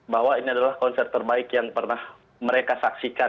bahwa ini adalah konser terbaik yang pernah mereka saksikan